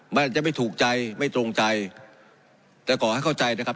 มันอาจจะไม่ถูกใจไม่ตรงใจแต่ขอให้เข้าใจนะครับ